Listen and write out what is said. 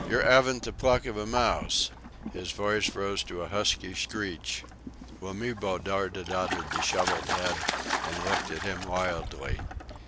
"Yer 'aven't the pluck of a mouse!" His voice rose to a husky screech. Wamibo darted out a dishevelled head, and looked at him wildly.